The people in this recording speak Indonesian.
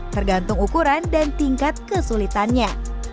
tergantung ukuran dan tingkat kesulitannya